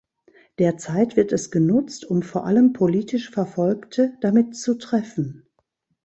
Derzeit wird es genutzt, um vor allem politisch Verfolgte damit zu treffen.